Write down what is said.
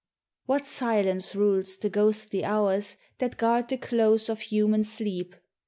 What silence rules the ghostly hours That guard the close of human sleep!